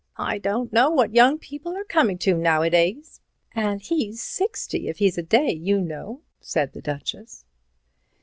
I don't know what young people are coming to nowadays'—and he's sixty if he's a day, you know," said the Duchess.